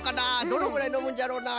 どのぐらいのむんじゃろうな？